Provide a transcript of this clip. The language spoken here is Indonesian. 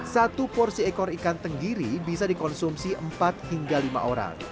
satu porsi ekor ikan tenggiri bisa dikonsumsi empat hingga lima orang